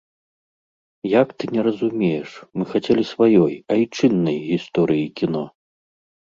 Як ты не разумееш, мы хацелі сваёй, айчыннай гісторыі кіно!